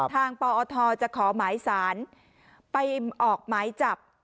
ปอทจะขอหมายสารไปออกหมายจับ